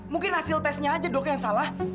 mungkin hasil tesnya aja dok yang salah